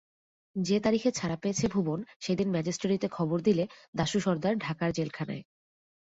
যে তারিখে ছাড়া পেয়েছে ভুবন সেইদিন ম্যাজেস্টেরিতে খবর দিলে দাশু সর্দার ঢাকার জেলখানায়।